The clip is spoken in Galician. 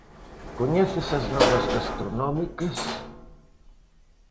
¿Coñeces as novas gastronómicas?